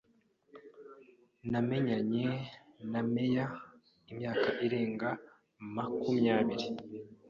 Namenyanye na meya imyaka irenga makumyabiri.